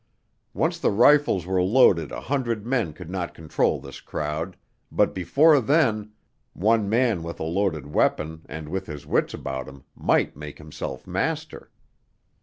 Once the rifles were loaded a hundred men could not control this crowd, but before then one man with a loaded weapon and with his wits about him, might make himself master.